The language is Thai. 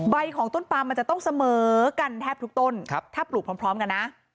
ใบของต้นปลามันจะต้องเสมอกันแทบทุกต้นถ้าปลูกพร้อมกันนะ